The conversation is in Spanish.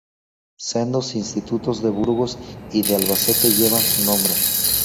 Sendos institutos de Burgos y de Albacete llevan su nombre.